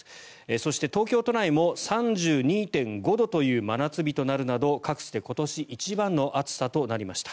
そして、東京都内も３２．５度という真夏日となるなど各地で今年一番の暑さとなりました。